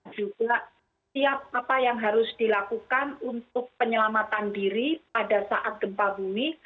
juga siap apa yang harus dilakukan untuk penyelamatan diri pada saat gempa bumi